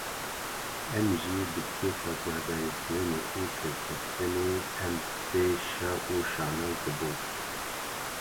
Em jî bi kêfa guhdarkirinê û serkeftinê em pê şa û şanaz dibûn